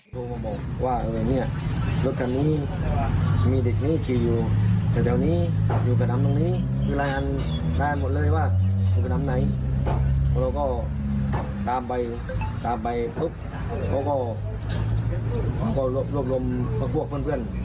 จากนี่เดี๋ยวเขาไปเขาก็ร่วมกับพวกเพื่อน